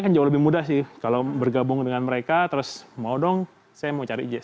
jadi itu jauh lebih mudah sih kalau bergabung dengan mereka terus mau dong saya mau cari jersi